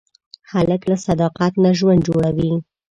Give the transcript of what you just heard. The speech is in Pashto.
هلک له صداقت نه ژوند جوړوي.